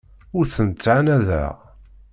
Ur tent-ttɛanadeɣ.